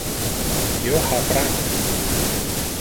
Io ha fratres.